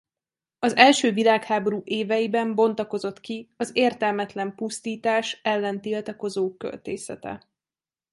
Az első világháború éveiben bontakozott ki az értelmetlen pusztítás ellen tiltakozó költészete.